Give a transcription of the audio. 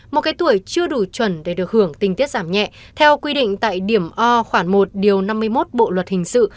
một cái tuổi chưa đủ chuẩn để được hưởng tình tiết giảm nhẹ theo quy định tại điểm o khoảng một điều năm mươi một bộ luật hình sự